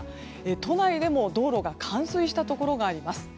都内でも道路が冠水したところがあります。